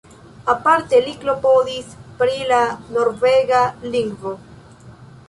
Aparte li klopodis pri la norvega lingvo.